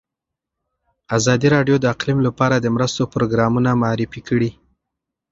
ازادي راډیو د اقلیم لپاره د مرستو پروګرامونه معرفي کړي.